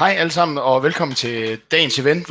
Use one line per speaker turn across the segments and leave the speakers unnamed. Hi, Elszam. Welcome to Daein's event.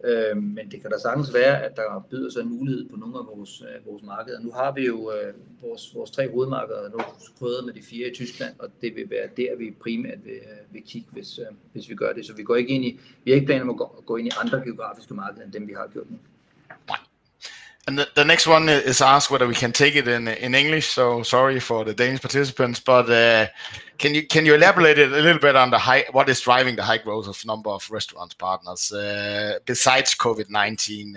So we are in BUGA, Trusglen or the Trusglen market for some of us on the Isabella, Australia, U. K. Or Ireland, Mr. Reinsgebers, first gang, obvious for us. Net revenue or gross profit, again, here again, the first hello Harvey, it follows our forward set stack momentum for recurring revenue, Also in the Faucette for vending our guidance for EBITDA is on the Faucette for vendor or
Yes, I mean, the first sparse mall,
The next one is asked whether we can take it in English. So sorry for
the Danish participants. But can
you elaborate a little bit on the
high what is driving the high growth of number of restaurant partners besides COVID-nineteen,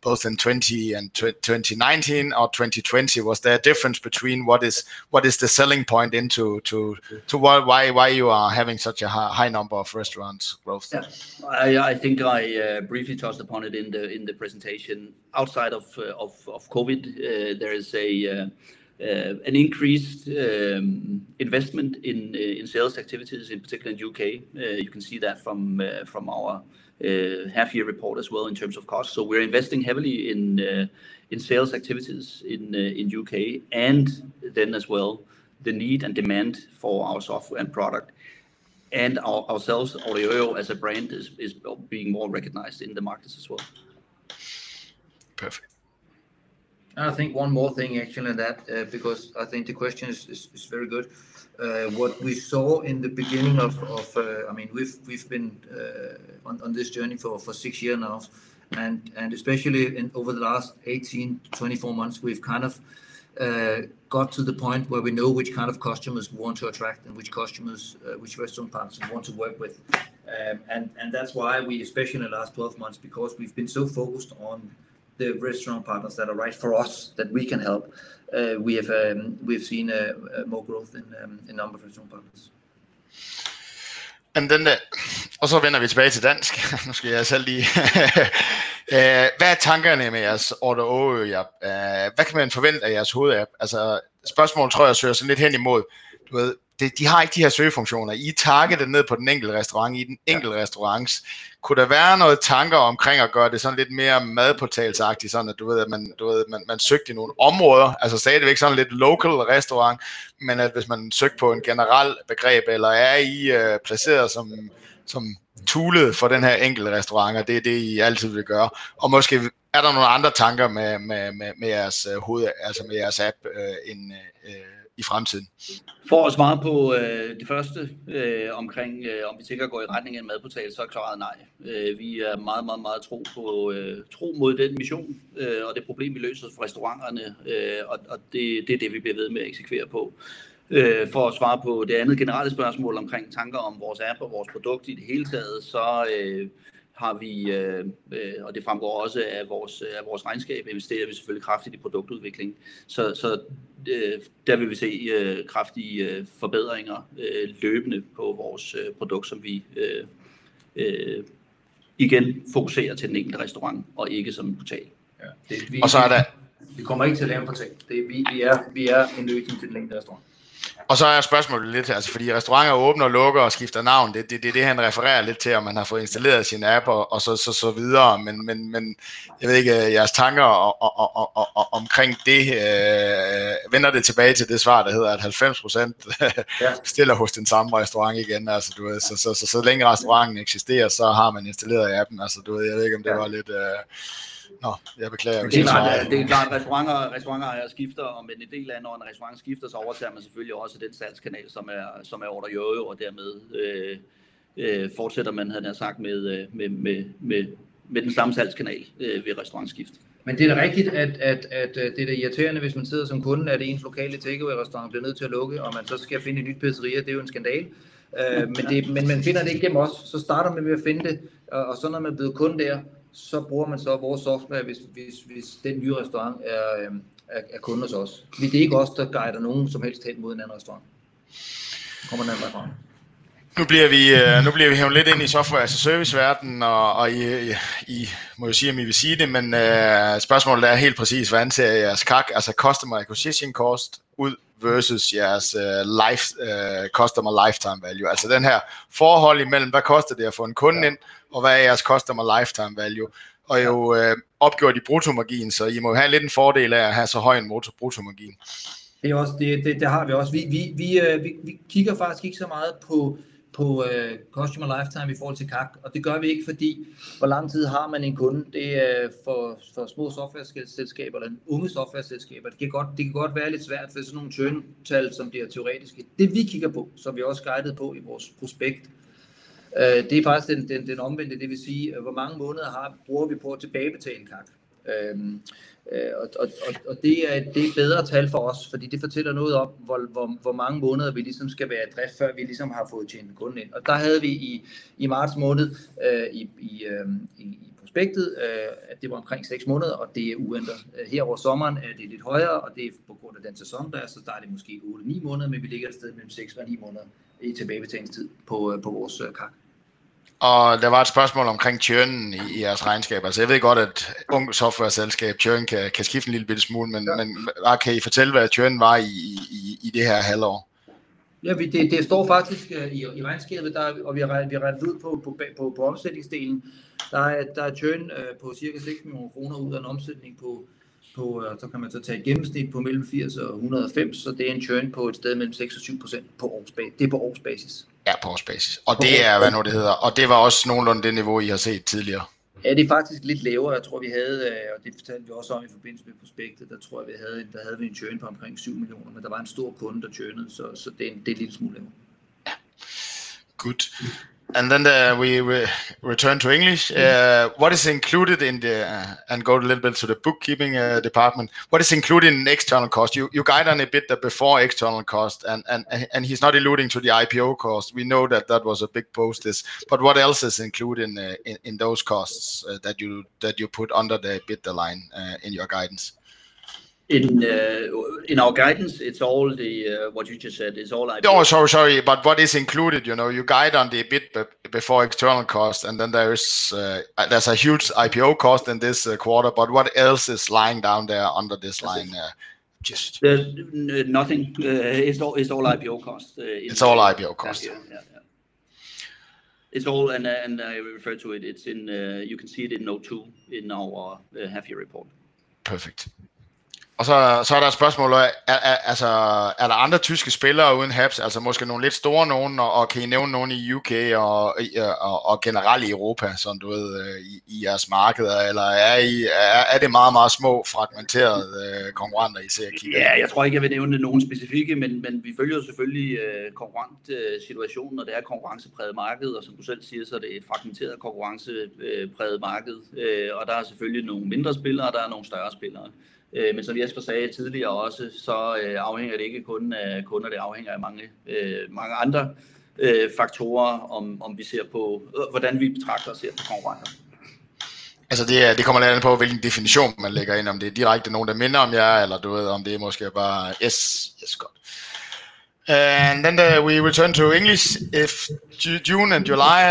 both in 2019 or 2020. Was there a difference between what is what is the selling point into why you are having such a high number of restaurants growth?
Yes. I think I briefly touched upon it in the presentation. Outside of COVID, there is a Outside of COVID, there is an increased investment in sales activities, in particular in U. K. You can see that from our half year report as well in terms of cost. So we're investing heavily in sales activities in U. K. And then as well the need and demand for our software and product. And ourselves, Oliuio as a brand is being more recognized in the markets as well.
Perfect.
I think one more thing actually on that because I think the question is very good. What we saw in the beginning of I mean, we've been on this journey for 6 years And especially over the last 18 to 24 months, we've kind of got to the point where we know which kind of customers we want to attract and which customers, which restaurant partners want to work with.
And that's why we especially in
the last 12 months because we've been so focused on the restaurant partners that
are right for us that we can help,
we have seen more growth in number of restaurant partners.
As a customer acquisition cost Good. And then we return to English. What is included in the and go a little bit to the bookkeeping department. Is included in external cost. You guide on EBITDA before external cost, and he's not alluding to the IPO cost. We know that that was a big post this. But what else is included in those costs that you put under the EBITDA line in your guidance?
In our guidance, it's all the what you just said is all IPO.
Sorry, sorry. But what is included, you guide on the EBIT before external cost. And then there is a huge IPO cost in this quarter, but what else is lying down there under this line?
Just nothing it's all IPO costs.
It's all IPO costs. Yes.
It's all and I refer to it, it's in you can
And then we return to English. If June July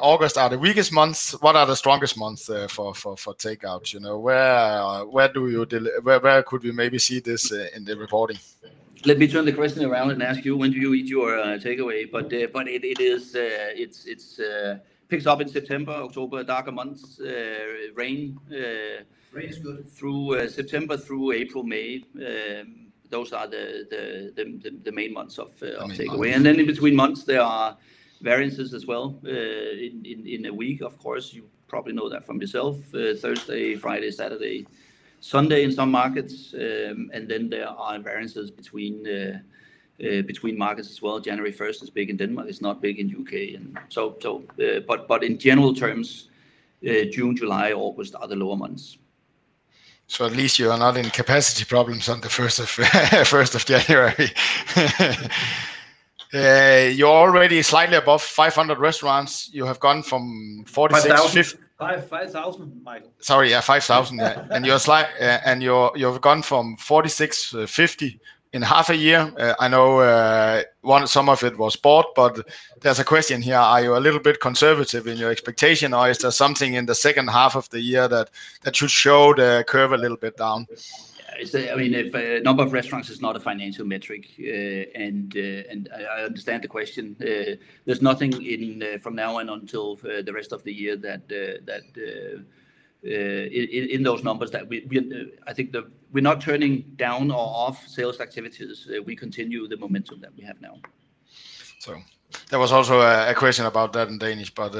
August are the weakest months, what are the strongest months for takeout? Where do you where could we maybe see this in the reporting?
Let me turn the question around and ask you when do you eat your takeaway. But it is it picks up in September, October, darker months. Rain is good through September through April, May. Those are the main months And then in between months, there are variances as well in a week, of course. You probably know that from yourself, Thursday, Friday, Saturday, Sunday in some markets and then there are variances between markets as well. January 1 is big in Denmark. It's not big in U. K. And So but in general terms, June, July, August are the lower months.
So at least you are not in capacity problems on the 1st January. You're already slightly above 500 restaurants. You have gone from
46,000 5,000, Michael.
Sorry, yes, 5,000. And you have gone from 46,050 in half a year. I know one some of it was bought, but there's a question here. Are you a little bit conservative in your expectation? Or is there something in the second half of the year that should show the curve a little bit down.
I mean, if number of restaurants is not a financial metric, and I understand the question, there's nothing in from now on until the rest of the year that in those numbers that we I think the we're not turning down or off sales activities. We continue the momentum that we have now.
So there was also a question about that in Danish. But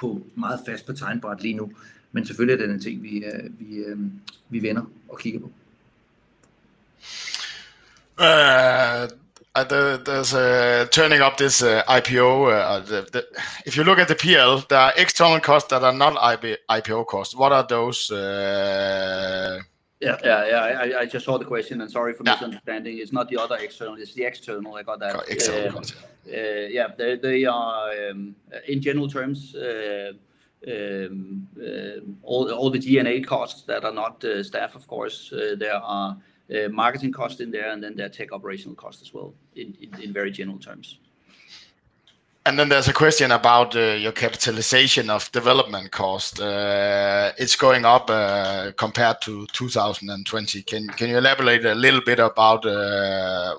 There's turning up this IPO. If you look at the PLs, the external costs that are non IPO costs, what are those?
Yes, yes, yes. I just saw the question. And sorry for It's not the other external, it's the external, I got that. External. Yes. They are, in general terms, All the G and A costs that are not staff, of course. There are marketing costs in there and then there are tech operational costs as well in very general terms.
And then there's a question about your capitalization of development cost. It's going up compared to 2020. Can you elaborate a little bit about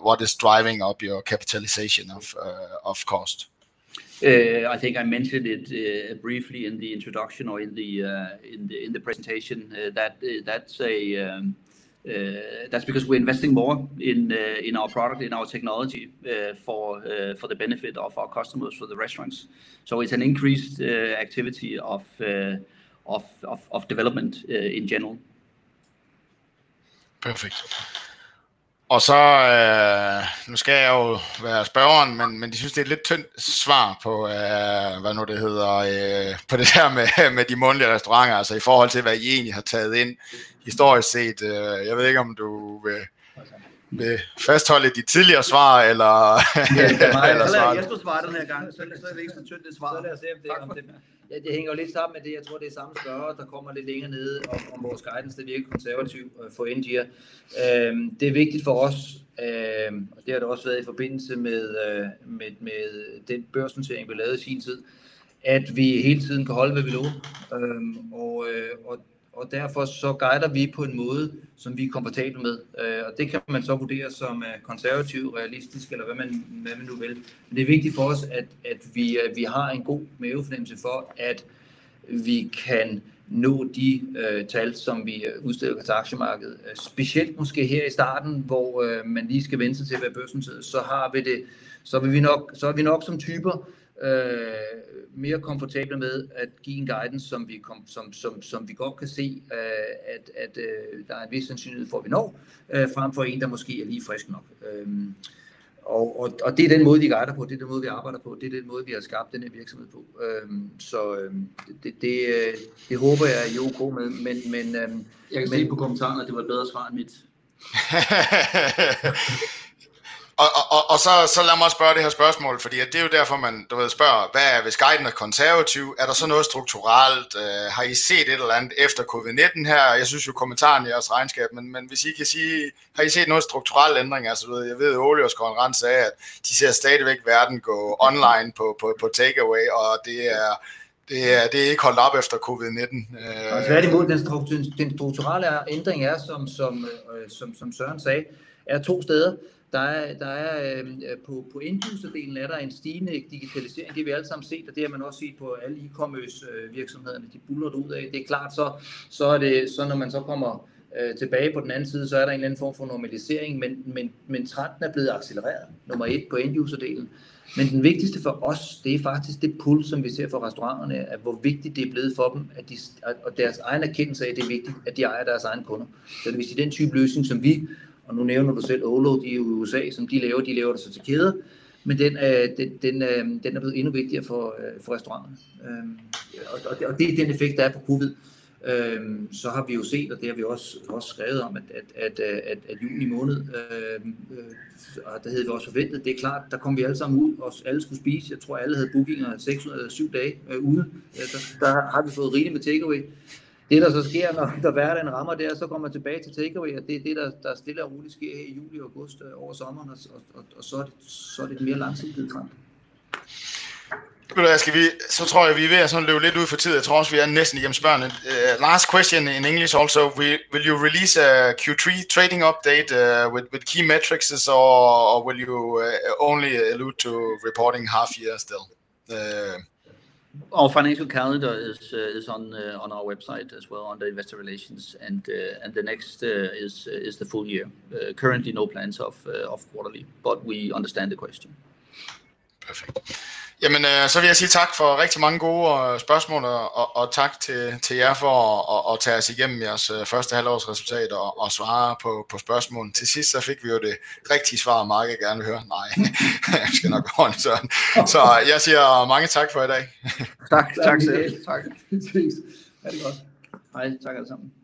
what is driving up your capitalization of cost?
I think I mentioned it briefly in the introduction or in the presentation that's a That's because we're investing more in our product, in our technology for the benefit of our customers for the restaurants. So it's an increased activity of development in general.
Perfect. Last question in English also, will you release a Q3 trading update with key metrics or will you only allude to reporting half Yes, still.
Our financial calendar is on our website as well, on the Investor Relations and the next is the full year. Currently, no plans of quarterly, but we understand the question.
Perfect.